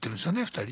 ２人。